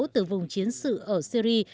từ vùng chiến sự ở syria